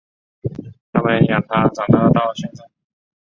我们养他长大到现在